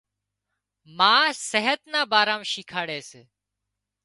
ما صحت نا ڀارا مان شيکاڙي سي